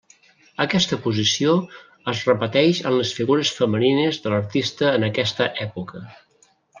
Aquesta posició es repeteix en les figures femenines de l'artista en aquesta època.